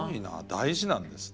大事なんですね。